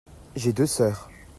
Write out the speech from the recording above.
J'ai deux sœurs.